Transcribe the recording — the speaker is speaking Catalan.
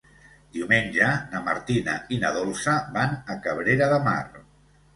Diumenge na Martina i na Dolça van a Cabrera de Mar.